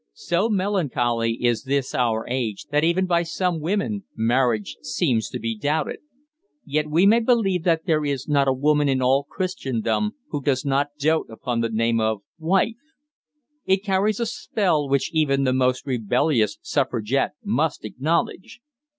So melancholy is this our age that even by some women marriage seems to be doubted. Yet we may believe that there is not a woman in all Christendom who does not dote upon the name of "wife." It carries a spell which even the most rebellious suffragette must acknowledge.